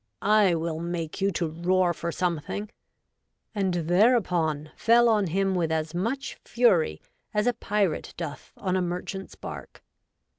I will make you to roar for some thing," and thereupon fell on him with as much Fury as a Pyrat doth on a Merchant's bark.